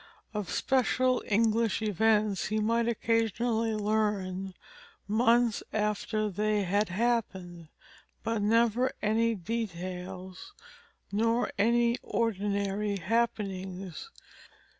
Of special English events he might occasionally learn, months after they had happened; but never any details nor any ordinary happenings.